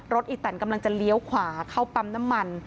อีแตนกำลังจะเลี้ยวขวาเข้าปั๊มน้ำมัน